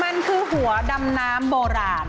มันคือหัวดำน้ำโบราณ